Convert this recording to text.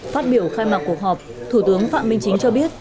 phát biểu khai mạc cuộc họp thủ tướng phạm minh chính cho biết